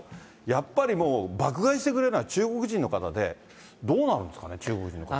やっぱりもう、爆買いしてくれるのは、中国人の方で、どうなんですかね、中国人の方。